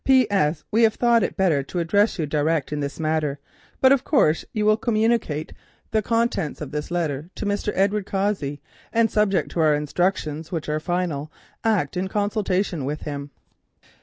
"P.S.—We have thought it better to address you direct in this matter, but of course you will communicate the contents of this letter to Mr. Edward Cossey, and, subject to our instructions, which are final, act in consultation with him."